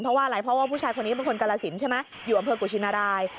เพราะว่าอะไรเพราะว่าผู้ชายคนนี้เป็นคนกาลสินใช่ไหมอยู่อำเภอกุชินราย